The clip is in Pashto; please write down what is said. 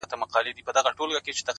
هره ورځ نوی فرصت لري,